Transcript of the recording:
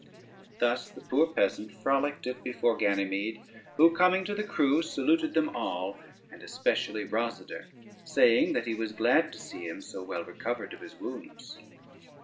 Thus the poor peasant frolicked it before Ganymede, who coming to the crew saluted them all, and especially Rosader, saying that he was glad to see him so well recovered of his wounds.